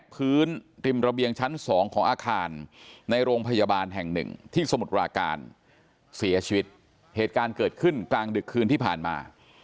เพราะว่าการเสียชีวิตเหตุการณ์เกิดขึ้นกลางดึกคืนที่ผ่านมา